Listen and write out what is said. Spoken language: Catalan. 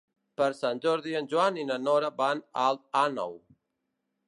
Per Sant Jordi en Joan i na Nora van a Alt Àneu.